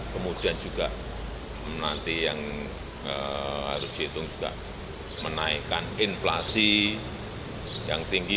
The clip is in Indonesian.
kemudian juga nanti yang harus dihitung juga menaikkan inflasi yang tinggi